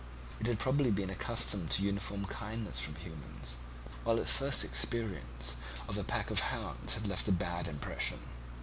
It had probably been accustomed to uniform kindness from humans, while its first experience of a pack of hounds had left a bad impression.